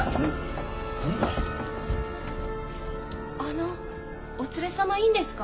あのお連れ様いいんですか？